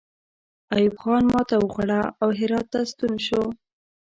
ایوب خان ماته وخوړه او هرات ته ستون شو.